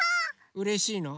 うれしいの？